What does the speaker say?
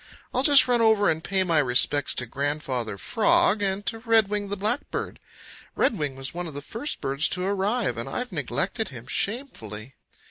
I'll just run over and pay my respects to Grandfather Frog, and to Redwing the Blackbird. Redwing was one of the first birds to arrive, and I've neglected him shamefully."